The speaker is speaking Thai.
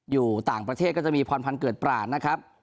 อยู่ต่างประเทศก็จะมีปรรณภัณฑ์เกิดปร่าง